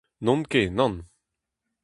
N'on ket, nann.